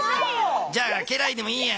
じゃあ家来でもいいや。